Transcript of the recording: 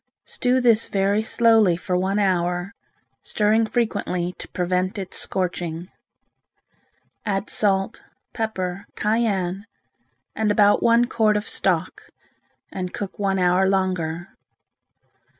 Stew this very slowly for one hour, stirring frequently to prevent its scorching. Add salt, pepper, cayenne, and about one quart of stock, and cook one hour longer.